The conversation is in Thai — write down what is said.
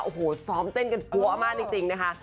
โอ้โหซ้อมเต้นกันปั๊วมากจริงนะคะ